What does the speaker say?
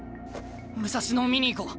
武蔵野を見に行こう。